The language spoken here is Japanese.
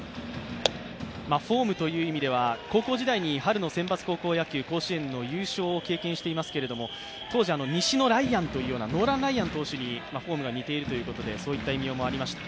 フォームという意味では高校時代に春の選抜高校野球春の大会優勝を経験していますけれども当時西のライアンという、ライアン投手にフォームが似ているということで、そういった異名もありました。